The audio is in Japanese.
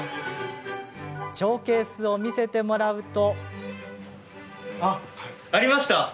ショーケースを見せてもらうと。